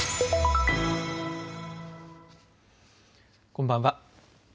こんばんは。